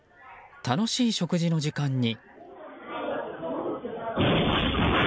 楽しい食事の時間に。